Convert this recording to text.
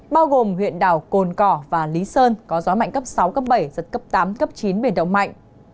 bao gồm huyện đảo cồn cỏ và lý sơn có gió mạnh cấp sáu cấp bảy giật cấp tám cấp chín biển động mạnh